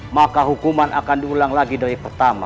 maka hukuman akan diulang lagi dari pertama